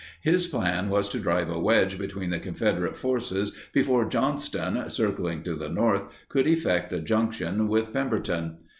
His plan was to drive a wedge between the Confederate forces before Johnston, circling to the north, could effect a junction with Pemberton.